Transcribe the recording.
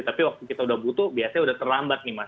tapi waktu kita udah butuh biasanya udah terlambat nih mas